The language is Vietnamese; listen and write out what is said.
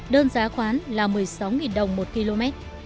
đơn giá khoán là một mươi sáu đồng một km